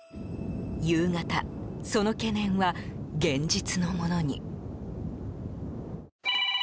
夕方、その懸念は現実のものに。